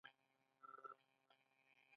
د ژبې محکمه ولس دی.